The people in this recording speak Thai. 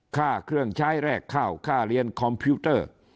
ค่าเครื่องใช้แรกข้าวค่าเรียนคอมพิวเตอร์